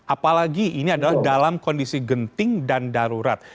apalagi ini adalah dalam kondisi genting dan darurat